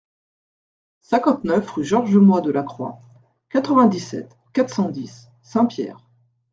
cinquante-neuf rue Georges Moy de la Croix, quatre-vingt-dix-sept, quatre cent dix, Saint-Pierre